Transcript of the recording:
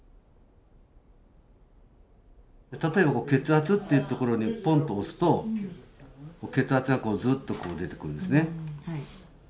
例えば血圧っていう所にポンッと押すと血圧がこうずっと出てくるんですね。